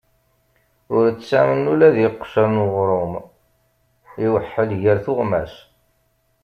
Ur ttamen ula d iqcer n uɣrum: iweḥḥel ger tuɣmas.